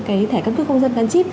cái thẻ căn cức công dân căn chíp